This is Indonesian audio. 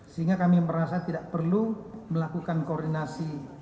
sehingga kami merasa tidak perlu melakukan koordinasi